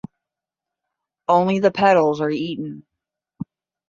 Only the petals are eaten.